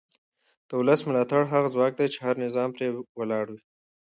د ولس ملاتړ هغه ځواک دی چې هر نظام پرې ولاړ وي